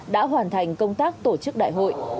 đã hoàn thành công tác tổ chức đại hội